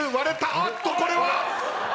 あっとこれは！